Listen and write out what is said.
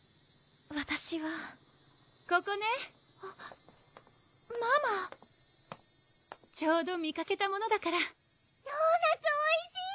わたしはここねママちょうど見かけたものだから・ドーナツおいしい！